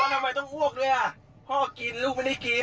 ทำไมต้องอ้วกด้วยอ่ะพ่อกินลูกไม่ได้กิน